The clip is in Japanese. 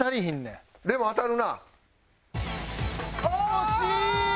惜しい！